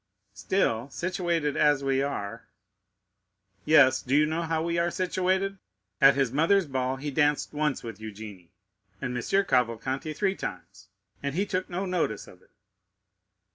"Still, situated as we are——" "Yes, do you know how we are situated? At his mother's ball he danced once with Eugénie, and M. Cavalcanti three times, and he took no notice of it."